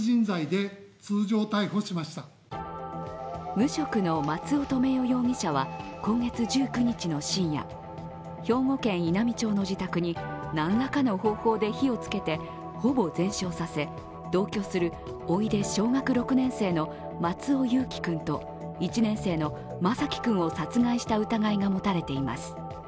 無職の松尾留与容疑者は今月１９日の深夜兵庫県稲美町の自宅に何らかの方法で火をつけてほぼ全焼させ、同居するおいで小学６年生の松尾侑城君と１年生の眞輝君を殺害した疑いが持たれています。